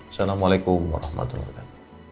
assalamualaikum warahmatullahi wabarakatuh